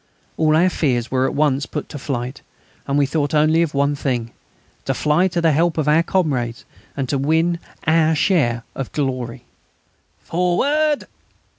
All our fears were at once put to flight, and we thought only of one thing; to fly to the help of our comrades and win our share of glory. "Forward!"